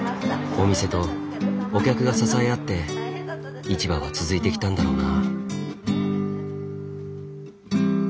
お店とお客が支え合って市場は続いてきたんだろうな。